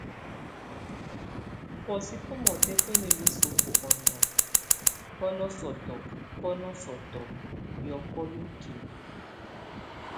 Búɔsɛ bomɔtɛk bá na miseku ɔnɔkɔk, bá nasɔtɔk, bá nasɔtɔk, yɔfɔ yokime.